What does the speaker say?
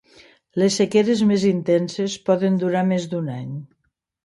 Les sequeres més intenses poden durar més d'un any.